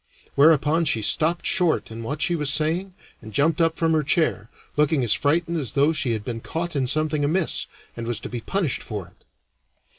Whereupon she stopped short in what she was saying and jumped up from her chair, looking as frightened as though she had been caught in something amiss, and was to be punished for it.